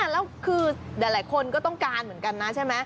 แล้วคือหลายคนก็ต้องการเหมือนกันนะใช่ไหม